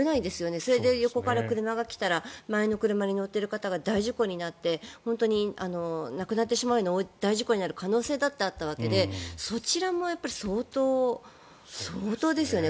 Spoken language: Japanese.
それで横から車が来たら前の車に乗っている方が大事故になって本当に亡くなってしまうような大事故になる可能性だってあったわけでそちらも相当ですよね。